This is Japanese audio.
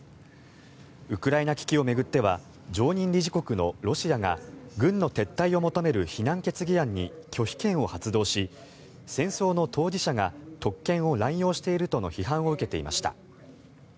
ウクライナ危機を巡っては常任理事国のロシアが軍の撤退を求める非難決議案に拒否権を発動し戦争の当事者が特権を乱用しているとの批判を受けていました。